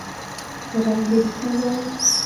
kolany ketit nekoi